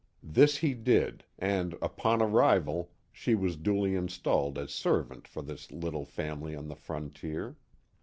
This he did, and upon arrival she was duly installed as servant for this little family on the frontier.